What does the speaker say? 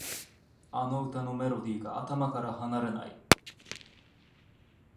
あの歌のメロディーが頭から離れない